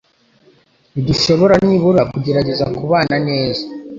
Ntidushobora nibura kugerageza kubana neza?